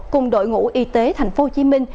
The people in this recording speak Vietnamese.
cùng đội ngũ y tế tp hcm